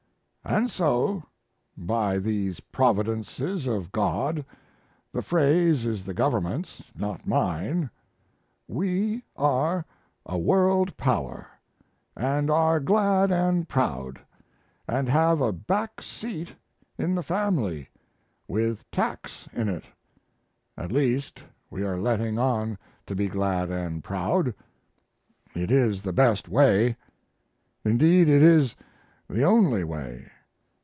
And so, by these Providences of God the phrase is the government's, not mine we are a World Power; and are glad and proud, and have a back seat in the family. With tacks in it. At least we are letting on to be glad and proud; it is the best way. Indeed, it is the only way.